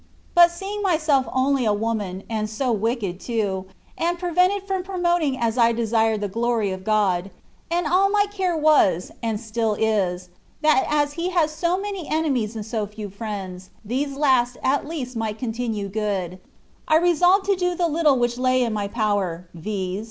But seeing myself only a woman, and so wicked too, and prevented from promoting as I desired the glory of God (and all my care was, and is still, that as He has so many enemies and so few friends — these last at least might continue good), I resolved to do the little which lay in my power, viz.